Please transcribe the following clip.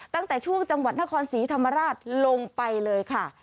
ตั้งแต่ช่วงจังหวัดนครศรีธรรมราชลงไปเลยค่ะ